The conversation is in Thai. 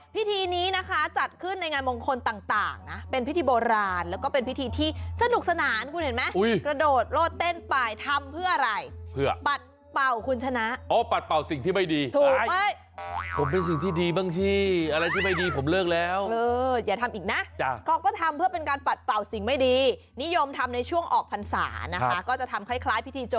พิธีนี้นะคะจัดขึ้นในงานมงคลต่างนะเป็นพิธีโบราณแล้วก็เป็นพิธีที่สนุกสนานคุณเห็นไหมกระโดดโลดเต้นไปทำเพื่ออะไรเพื่อปัดเป่าคุณชนะอ๋อปัดเป่าสิ่งที่ไม่ดีถูกไม่ผมเป็นสิ่งที่ดีบ้างสิอะไรที่ไม่ดีผมเลิกแล้วอย่าทำอีกนะจ้ะเขาก็ทำเพื่อเป็นการปัดเป่าสิ่งไม่ดีนิยมทำในช่วงออกพรรษานะคะก็จะทำคล้ายพิธีโจ